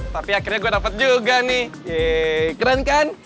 tapi akhirnya gua dapet juga nih yee keren kan